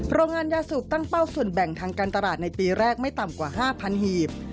โรงงานยาสูบตั้งเป้าส่วนแบ่งทางการตลาดในปีแรกไม่ต่ำกว่า๕๐๐หีบ